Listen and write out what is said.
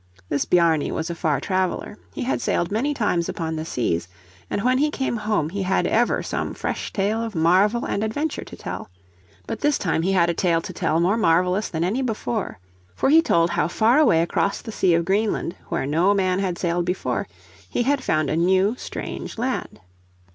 This Bjarni was a far traveler. He had sailed many times upon the seas, and when he came home he had ever some fresh tale of marvel and adventure to tell. But this time he had a tale to tell more marvelous than any before. For he told how far away across the sea of Greenland, where no man had sailed before, he had found a new, strange land.